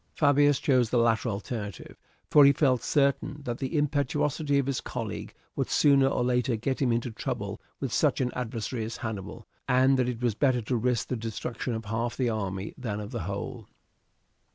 Fabius chose the latter alternative, for he felt certain that the impetuosity of his colleague would sooner or later get him into trouble with such an adversary as Hannibal, and that it was better to risk the destruction of half the army than of the whole.